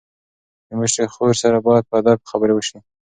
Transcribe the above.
د مشرې خور سره باید په ادب خبرې وشي.